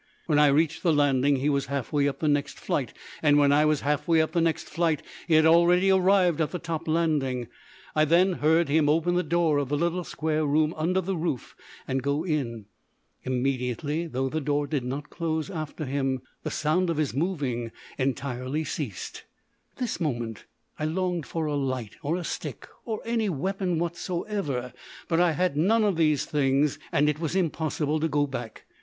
When I reached the landing he was half way up the next flight, and when I was half way up the next flight he had already arrived at the top landing. I then heard him open the door of the little square room under the roof and go in. Immediately, though the door did not close after him, the sound of his moving entirely ceased. At this moment I longed for a light, or a stick, or any weapon whatsoever; but I had none of these things, and it was impossible to go back.